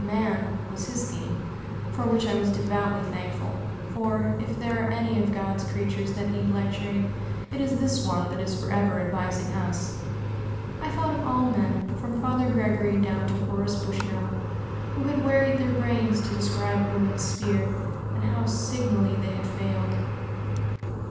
"Man" was his theme, for which I was devoutly thankful; for, if there are any of God's creatures that need lecturing, it is this one that is forever advising us. I thought of all men, from Father Gregory down to Horace Bushnell, who had wearied their brains to describe woman's sphere, and how signally they had failed.